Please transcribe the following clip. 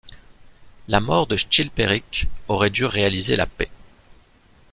La mort de Chilpéric aurait dû réaliser la paix.